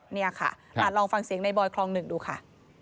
นี่ค่ะลองฟังเสียงในบอยคลอง๑ดูค่ะ